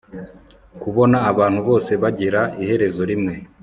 kubona abantu bose bagira iherezo rimwe